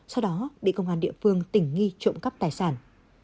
sau đó bị công an địa phương tỉnh nghi trộm cắp tài sản